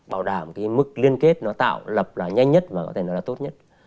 bảo đảm cái mức liên kết nó tạo lập là nhanh nhất và có thể nói là tốt nhất